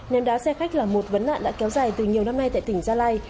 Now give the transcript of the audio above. ném đá xe khách là một vấn nạn đã kéo dài từ nhiều năm nay tại tỉnh gia lai